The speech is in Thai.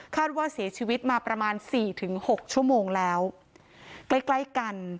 ว่าเสียชีวิตมาประมาณสี่ถึงหกชั่วโมงแล้วใกล้ใกล้กัน